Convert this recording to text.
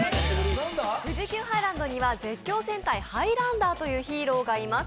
富士急ハイランドには絶叫戦隊ハイランダーというヒーローがいます。